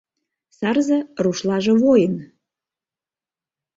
— Сарзе — рушлаже воин.